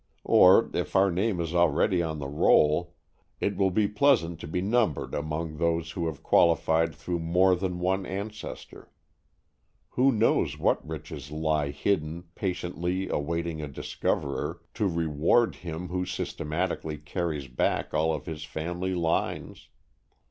Or if our name is already on the roll, it will be pleasant to be numbered among those who have qualified through more than one ancestor. Who knows what riches lie hidden, patiently awaiting a discoverer, to reward him who systematically carries back all of his family lines?